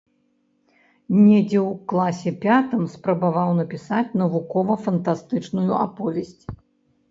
Недзе ў класе пятым спрабаваў напісаць навукова-фантастычную аповесць.